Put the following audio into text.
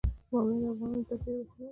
بامیان د افغانانو د تفریح یوه وسیله ده.